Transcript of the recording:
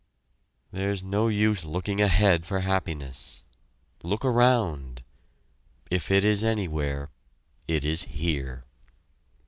There's no use looking ahead for happiness look around! If it is anywhere, it is here.